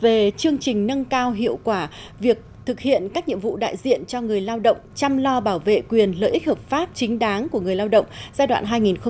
về chương trình nâng cao hiệu quả việc thực hiện các nhiệm vụ đại diện cho người lao động chăm lo bảo vệ quyền lợi ích hợp pháp chính đáng của người lao động giai đoạn hai nghìn một mươi tám hai nghìn hai mươi